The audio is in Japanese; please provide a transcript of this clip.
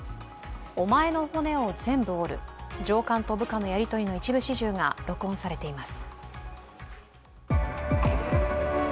お前の骨を全部折る、上官と部下のやり取りの一部始終が録音されています。